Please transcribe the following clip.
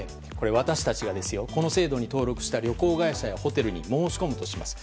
私たちがこの制度に登録した旅行会社やホテルに申し込むとします。